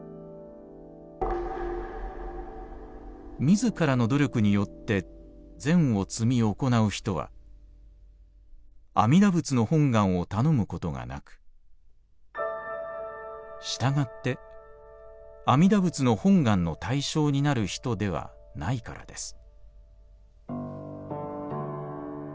「自らの努力によって善を積み行う人は阿弥陀仏の本願をたのむことがなくしたがって阿弥陀仏の本願の対象になる人ではないからです」。